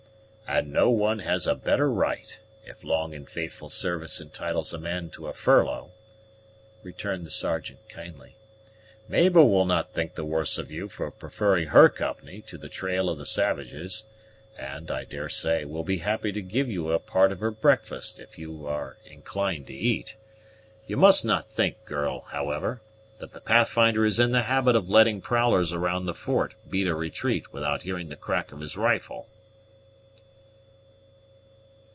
"And no one has a better right, if long and faithful service entitles a man to a furlough," returned the Sergeant kindly. "Mabel will think none the worse of you for preferring her company to the trail of the savages; and, I daresay, will be happy to give you a part of her breakfast if you are inclined to eat. You must not think, girl, however, that the Pathfinder is in the habit of letting prowlers around the fort beat a retreat without hearing the crack of his rifle."